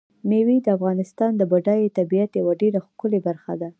مېوې د افغانستان د بډایه طبیعت یوه ډېره ښکلې برخه ده.